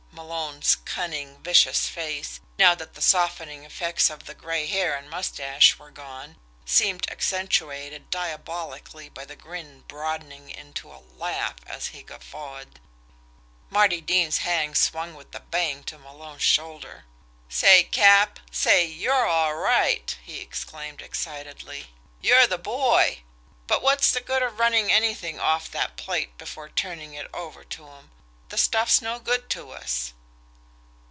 Malone's cunning, vicious face, now that the softening effects of the gray hair and mustache were gone, seemed accentuated diabolically by the grin broadening into a laugh, as he guffawed. Marty Dean's hand swung with a bang to Malone's shoulder. "Say, Cap say, you're all right!" he exclaimed excitedly. "You're the boy! But what's the good of running anything off the plate before turning it over to 'em the stuff's no good to us."